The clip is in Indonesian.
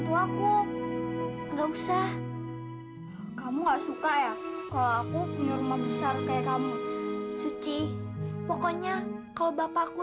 tuaku enggak usah kamu gak suka ya kalau aku punya rumah besar kayak kamu suci pokoknya kalau bapakku